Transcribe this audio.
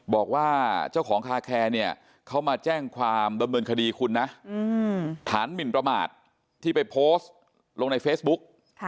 บอกว่าเจ้าของคาแคร์เนี่ยเขามาแจ้งความดำเนินคดีคุณนะฐานหมินประมาทที่ไปโพสต์ลงในเฟซบุ๊ก